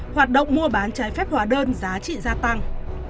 hoạt động mua bán trái phép hóa đơn giá trị gia tăng